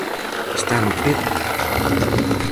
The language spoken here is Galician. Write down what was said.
Está no peto?